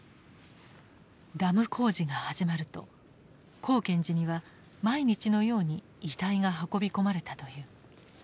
ダム工事が始まると光顕寺には毎日のように遺体が運び込まれたという。